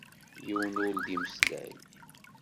Yiwen ur d-imeslay.